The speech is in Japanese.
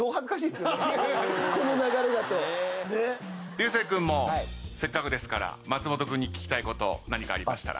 流星君もせっかくですから松本君に聞きたいこと何かありましたら。